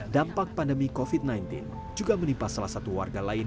dampak pandemi covid sembilan belas juga menimpa salah satu warga lain